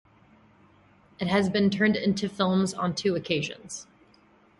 It has been turned into films on two occasions.